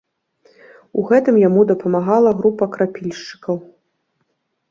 У гэтым яму дапамагала група крапільшчыкаў.